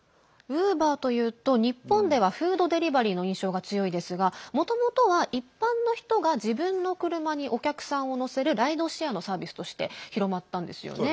ウーバーというと日本ではフードデリバリーの印象が強いですがもともとは一般の人が自分の車にお客さんを乗せるライドシェアのサービスとして広まったんですよね。